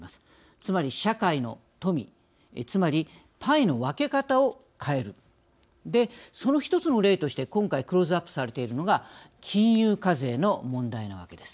つまり社会の富つまりパイの分け方を変えるで、その一つの例として今回クローズアップされているのが金融課税の問題なわけです。